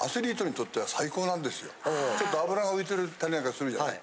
ちょっと脂が浮いてたりなんかするじゃない。